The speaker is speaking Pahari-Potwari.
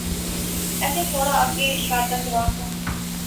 ایتھے تھوڑا اگے شاردا گراں سا